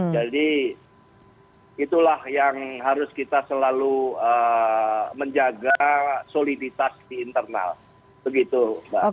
jadi itulah yang harus kita selalu menjaga soliditas di internal